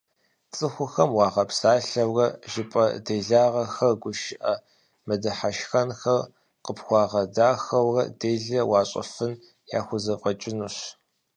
Цӏыхухэм уагъэпсалъэурэ, жыпӏэ делагъэхэр, гушыӏэ мыдыхьэшхэнхэр къыпхуагъэдахэурэ делэ уащӏыфын яхузэфӏэкӏынущ.